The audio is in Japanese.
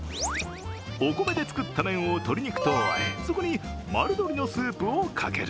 お米で作った麺を鶏肉とあえ、そこに丸鶏のスープをかける。